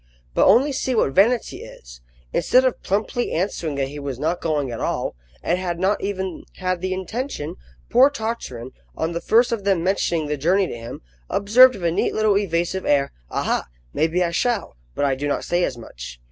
But only see what vanity is! Instead of plumply answering that he was not going at all, and had not even had the intention, poor Tartarin, on the first of them mentioning the journey to him, observed with a neat little evasive air, "Aha! maybe I shall but I do not say as much."